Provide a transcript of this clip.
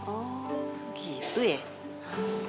oh gitu ya